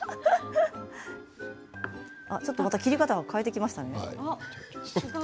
ちょっと切り方を変えてきましたね。